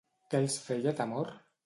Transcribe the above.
Què els feia temor?